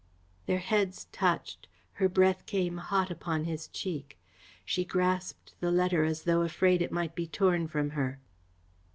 Their heads touched. Her breath came hot upon his cheek. She grasped the letter as though afraid it might be torn from her.